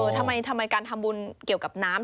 ทำไมการทำบุญเกี่ยวกับน้ำ